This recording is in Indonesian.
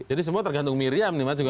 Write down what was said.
jadi semua tergantung miriam nih mas